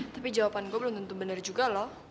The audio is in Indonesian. tapi jawaban gue belum tentu benar juga loh